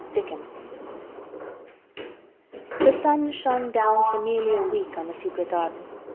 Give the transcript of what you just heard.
DICKON The sun shone down for nearly a week on the secret garden.